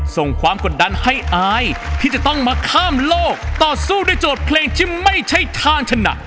ส่งความกดดันให้อายที่จะต้องมาข้ามโลกต่อสู้ด้วยโจทย์เพลงที่ไม่ใช่ทางชนะ